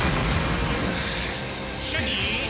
何？